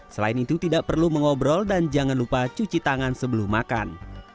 selain itu tidak perlu mengobrol dan jangan lupa cuci tangan sebelum makan